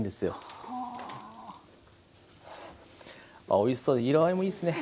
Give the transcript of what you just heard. あおいしそうで色合いもいいですね。